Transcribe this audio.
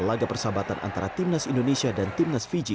laga persahabatan antara timnas indonesia dan timnas fiji